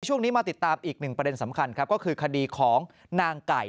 ช่วงนี้มาติดตามอีกหนึ่งประเด็นสำคัญครับก็คือคดีของนางไก่